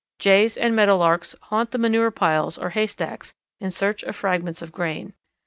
Jays and Meadowlarks haunt the manure piles or haystacks in search of fragments of grain.